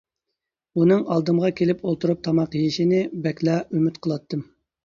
ئۇنىڭ ئالدىمغا كېلىپ ئولتۇرۇپ تاماق يېيىشىنى بەكلا ئۈمىد قىلاتتىم.